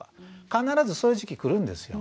必ずそういう時期来るんですよ。